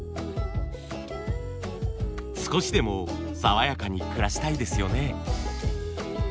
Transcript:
少しでも爽やかに暮らしたいですよね。